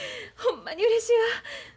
ほんまにうれしいわ。